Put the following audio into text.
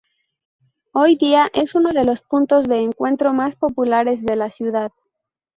Hoy día es uno de los puntos de encuentro más populares de la ciudad.